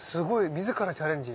自らチャレンジ。